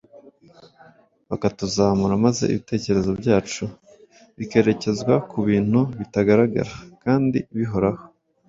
bakatuzamura maze ibitekerezo byacu bikerekezwa ku bintu bitagaragara kandi bihoraho.